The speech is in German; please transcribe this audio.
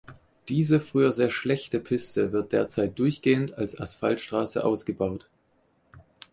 Diese früher sehr schlechte Piste wird derzeit durchgehend als Asphaltstraße ausgebaut.